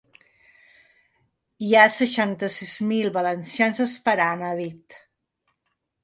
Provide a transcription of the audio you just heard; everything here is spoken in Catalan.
Hi ha seixanta-sis mil valencians esperant, ha dit.